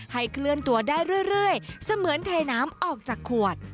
เคลื่อนตัวได้เรื่อยเสมือนไทยน้ำออกจากขวด